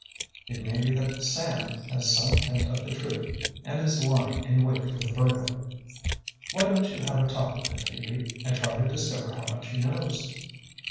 It may be that Sam has some hint of the truth and is lying in wait for the burglar. Why don't you have a talk with him, Phoebe, and try to discover how much he knows?"